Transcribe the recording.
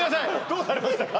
どうされましたか？